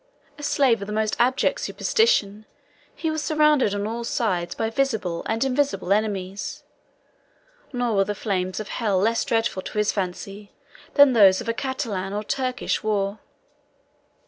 A slave of the most abject superstition, he was surrounded on all sides by visible and invisible enemies; nor were the flames of hell less dreadful to his fancy, than those of a Catalan or Turkish war.